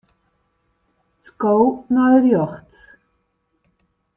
Sko nei rjochts.